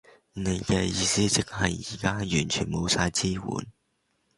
你嘅意思即係而家完全冇晒支援？